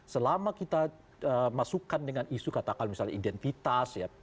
selama kita masukkan dengan isu katakan misalnya identitas ya